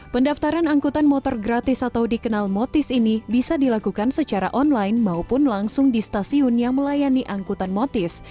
pendaftaran angkutan motor gratis atau dikenal motis ini bisa dilakukan secara online maupun langsung di stasiun yang melayani angkutan motis